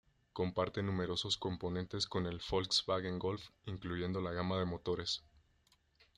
Comparte numerosos componentes con el Volkswagen Golf, incluyendo la gama de motores.